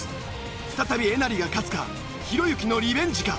再びえなりが勝つかひろゆきのリベンジか？